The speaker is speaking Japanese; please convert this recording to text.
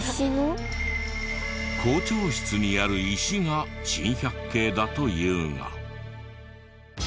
校長室にある石が珍百景だというが。